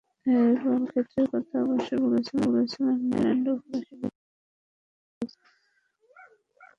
এই বলক্ষেত্রের কথা অবশ্য বলেছিলেন মাইকেল ফ্যারাডে ও ফরাসি বিজ্ঞানী চার্লস অগাস্তিন ডি কুলম্বও।